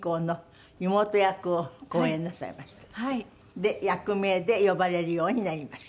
で役名で呼ばれるようになりました。